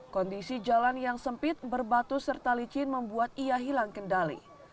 kondisi jalan yang sempit berbatu serta licin membuat ia hilang kendali